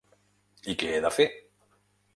I què he de fer?